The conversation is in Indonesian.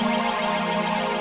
sampai jumpa lagi